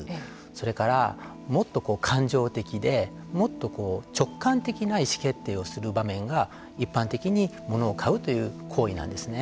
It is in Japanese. それから、もっと感情的でもっと直感的な意思決定をする場面が一般的に物を買うという行為なんですね。